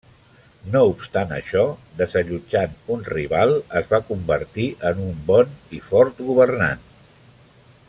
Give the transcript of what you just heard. No obstant això, desallotjant un rival, es va convertir en un bon i fort governant.